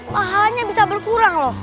makanya bisa berkurang loh